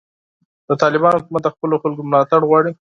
د طالبانو حکومت د خپلو خلکو ملاتړ غواړي.